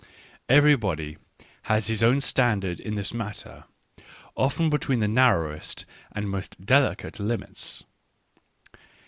Everybody has his own standard in this matter, often between the narrowest and most delicate limits.